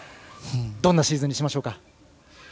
どんなシーズンにしましょうか。